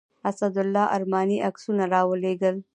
اسدالله ارماني عکسونه راولېږل.